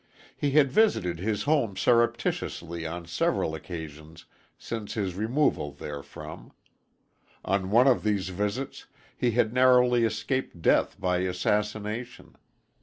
He had visited his home surreptitiously on several occasions since his removal therefrom. On one of these visits he had narrowly escaped death by assassination.